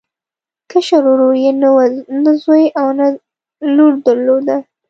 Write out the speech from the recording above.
کشر ورور یې نه زوی او نه لور درلوده.